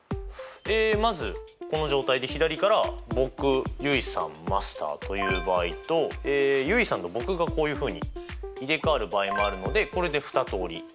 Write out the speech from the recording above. えまずこの状態で左から僕結衣さんマスターという場合と結衣さんと僕がこういうふうに入れ代わる場合もあるのでこれで２通り。